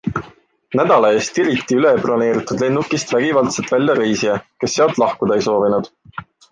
Nädala eest tiriti ülebroneeritud lennukist vägivaldselt välja reisija, kes sealt lahkuda ei soovinud.